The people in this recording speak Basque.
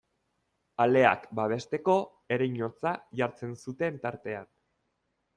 Aleak babesteko ereinotza jartzen zuten tartean.